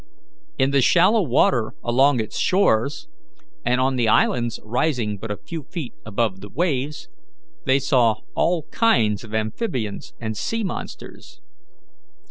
In the shallow water along its shores, and on the islands rising but a few feet above the waves, they saw all kinds of amphibians and sea monsters.